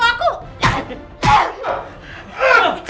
kamu menipu aku